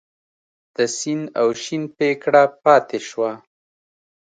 د سین او شین پیکړه پاتې شوه.